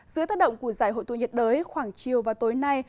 dưới thất động của giải hội tụ nhiệt đới khoảng chiều và tối nay